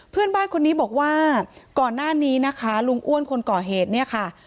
เพื่อนบ้านคนนี้บอกว่าก่อนหน้านี้นะคะลุงอ้วนคนก่อเหตุเนี่ยค่ะ